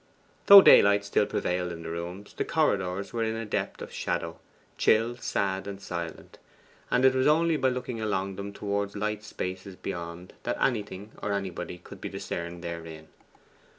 Though daylight still prevailed in the rooms, the corridors were in a depth of shadow chill, sad, and silent; and it was only by looking along them towards light spaces beyond that anything or anybody could be discerned therein.